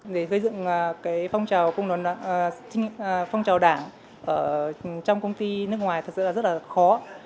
để xây dựng phong trào đảng trong công ty nước ngoài thật sự là rất là khó